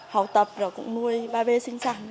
học tập rồi cũng nuôi ba b sinh sản